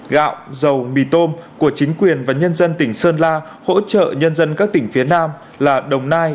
gạo dầu mì tôm của chính quyền và nhân dân tỉnh sơn la hỗ trợ nhân dân các tỉnh phía nam là đồng nai